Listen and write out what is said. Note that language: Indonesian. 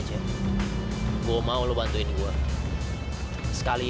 yaudah luluran sini berapa sih